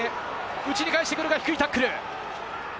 内に返してくるが、低いタックル。